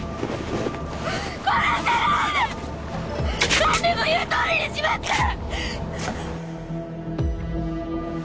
何でも言うとおりにしますから！